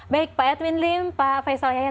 baik pak edwin lim pak faisal yayat